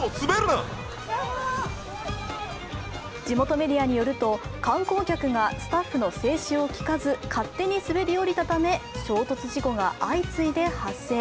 地元メディアによると観光客がスタッフの制止を聞かず勝手に滑りおりたため衝突事故が相次いで発生。